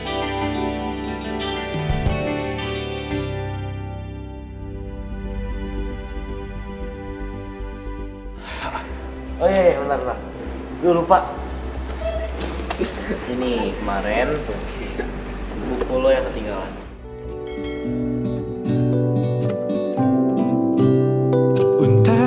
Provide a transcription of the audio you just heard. oh iya iya bentar bentar